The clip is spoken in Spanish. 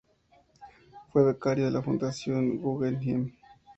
Fue becario de la Fundación Guggenheim.